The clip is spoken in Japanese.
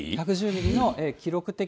１１０ミリの記録的